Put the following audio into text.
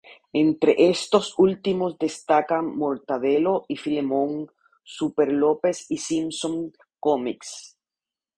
Entre estos últimos destacan Mortadelo y Filemón, Superlópez y Simpsons Comics.